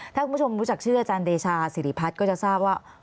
ถ้าคุณผู้ชมรู้จักชื่ออาจารย์เดชาสิริพัฒน์ก็จะทราบว่า